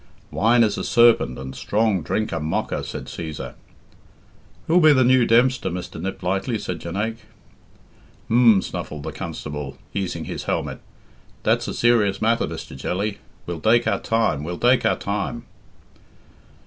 "Wine is a serpent, and strong drink a mocker," said Cæsar. "Who'll be the new Dempster, Mr. Niplightly," said Jonaique. "Hm!" snuffled the constable, easing his helmet, "dat's a serious matter, Mr. Jelly. We'll dake our time well dake our time."